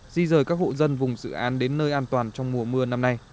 di rời các hộ dân vùng dự án đến nơi an toàn trong mùa mưa năm nay